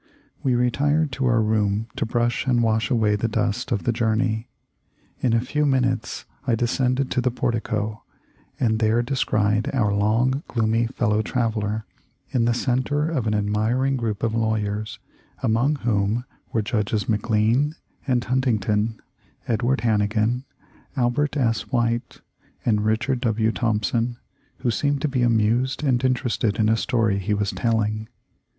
We retired to our room to brush and wash away the dust of the journey. In a few minutes I descended to the portico, and there descried our long, gloomy fellow traveller in the center of an admiring group of lawyers, among whom were Judges McLean and Huntington, Edward Hannigan, Albert S. White, and Richard W. Thompson, who seemed to be amused and interested in a story he was telling.